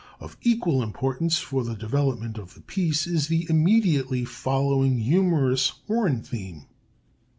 Of equal importance for the development of the piece is the immediately following humorous horn theme.